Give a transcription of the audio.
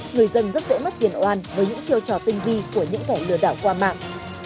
người dân rất dễ mất tiền oan với những chiêu trò tinh vi của những kẻ lừa đảo qua mạng